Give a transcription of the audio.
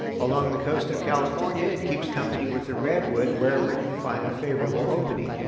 Along the coast of California it keeps company with the redwood wherever it can find a favorable opening.